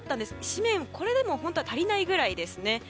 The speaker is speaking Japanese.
紙面、これでも本当は足りないぐらいですね。